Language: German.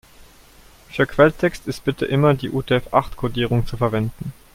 Für Quelltext ist bitte immer die UTF-acht-Kodierung zu verwenden.